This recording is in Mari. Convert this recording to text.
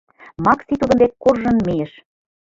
Макси тудын дек куржын мийыш.